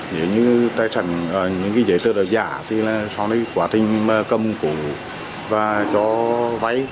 nếu như tài sản những cái giấy tờ giả thì là sau này quá trình mà cầm cổ và cho váy